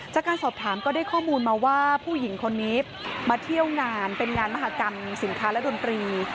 จากการสอบถามก็ได้ข้อมูลมาว่าผู้หญิงคนนี้มาเที่ยวงานเป็นงานมหากรรมสินค้าและดนตรี